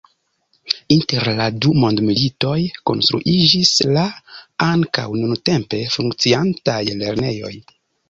Inter la du mondmilitoj konstruiĝis la ankaŭ nuntempe funkciantaj lernejoj.